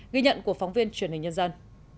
ghi nhận của phóng viên truyền hình nhân dân